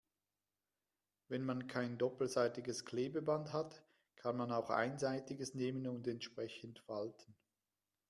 Wenn man kein doppelseitiges Klebeband hat, kann man auch einseitiges nehmen und entsprechend falten.